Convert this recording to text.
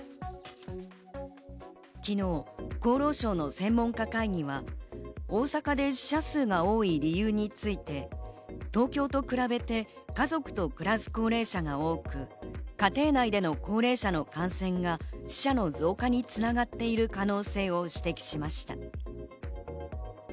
昨日、厚労省の専門家会議は大阪で死者数が多い理由について、東京と比べて家族と暮らす高齢者が多く、家庭内での高齢者の感染が死者の増加に繋がっている可能性を指摘しました。